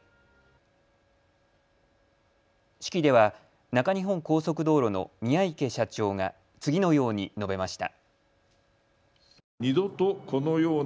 式では中日本高速道路の宮池社長が次のように述べました。